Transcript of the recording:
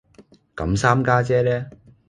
咁三家姐呢